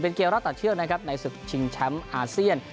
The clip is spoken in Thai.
เป็นเกลียวรัตตาเชื่อนะครับในสุขชิงแชมพ์อาเซียน